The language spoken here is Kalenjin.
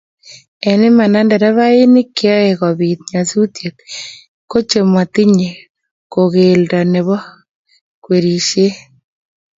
eng imanda nderefainik cheyoe kobiit nyasut kochematinye kogeldo nebo kwerishet